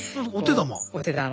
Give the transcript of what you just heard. お手玉？